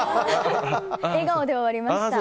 笑顔で終わりました。